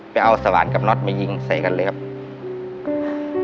ไปเอาสลานกับน็อตมายิงใส่กันเลยครับ